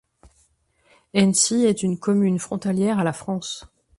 Hensies est une commune frontalière à la France.